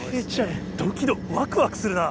ドキドキワクワクするな。